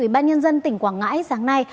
ủy ban nhân dân tỉnh quảng ngãi sáng nay